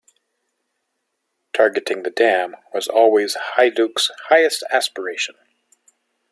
Targeting the dam was always Hayduke's highest aspiration.